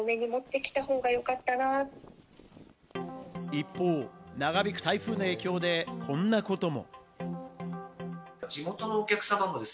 一方、長引く台風の影響でこんなことも。